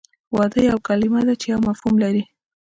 واده یوه کلمه ده چې یو مفهوم لري